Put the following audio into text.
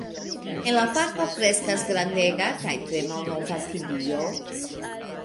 En la parko kreskas grandega kaj tre malnova tilio.